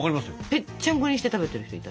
ぺっちゃんこにして食べてる人いたよ。